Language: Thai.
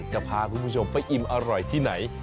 จะพาคุณผู้ชมไปอิ่มอร่อยที่ไหน